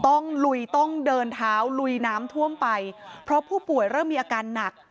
ลุยต้องเดินเท้าลุยน้ำท่วมไปเพราะผู้ป่วยเริ่มมีอาการหนัก